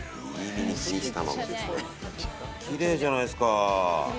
きれいじゃないですか。